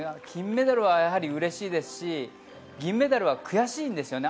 金メダルはやはり嬉しいですし、銀メダルは悔しいんです。